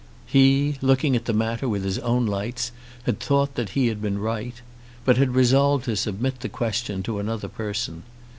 He, looking at the matter with his own lights, had thought that he had been right, but had resolved to submit the question to another person.